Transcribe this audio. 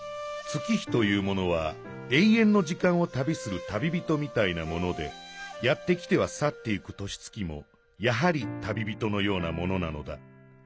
「月日というものはえい遠の時間を旅する旅人みたいなものでやって来てはさっていく年月もやはり旅人のようなものなのだ。